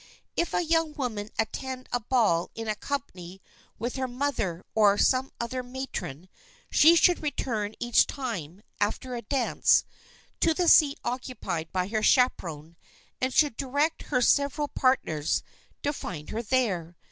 If a young woman attend a ball in company with her mother or some other matron, she should return each time, after a dance, to the seat occupied by her chaperon and should direct her several partners to find her there.